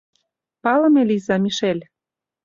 — Палыме лийза, Мишель.